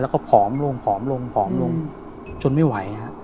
แล้วก็ผอมลงจนไม่ไหว